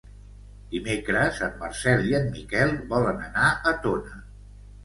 Dimecres en Marcel i en Miquel volen anar a Tona.